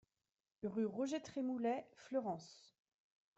Rue Roger Trémoulet, Fleurance